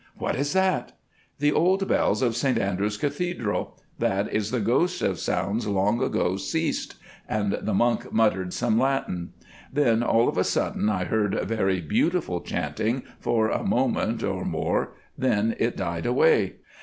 "'What is that?' "'The old bells of St Andrews Cathedral. That is the ghost of sounds long ago ceased,' and the monk muttered some Latin. Then all of a sudden I heard very beautiful chanting for a moment or more, then it died away.